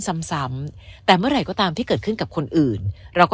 ซ้ำซ้ำแต่เมื่อไหร่ก็ตามที่เกิดขึ้นกับคนอื่นเราก็